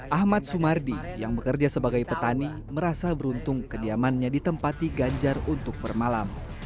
ahmad sumardi yang bekerja sebagai petani merasa beruntung kediamannya ditempati ganjar untuk bermalam